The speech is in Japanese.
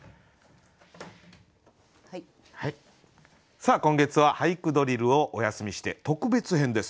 さあ今月は「俳句ドリル」をお休みして特別編です。